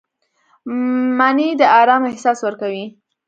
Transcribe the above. مني د آرام احساس ورکوي